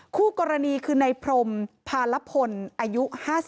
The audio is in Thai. คู่กรณีคือในพรมพารพลอายุ๕๓